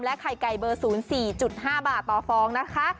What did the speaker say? ไข่ไก่เบอร์๐๔๕บาทต่อฟองนะคะ